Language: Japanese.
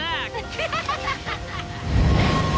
ハハハハハハッ！